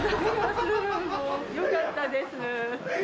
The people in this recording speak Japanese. よかったです。